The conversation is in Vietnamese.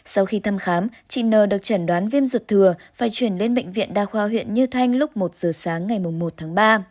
sau khi thăm khám chị nờ được chẩn đoán viêm ruột thừa phải chuyển lên bệnh viện đa khoa huyện như thanh lúc một giờ sáng ngày một tháng ba